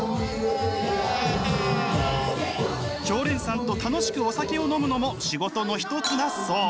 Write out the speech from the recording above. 常連さんと楽しくお酒を飲むのも仕事の一つだそう。